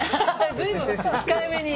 随分控えめに。